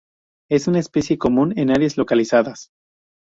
Es una especie común en áreas localizadas.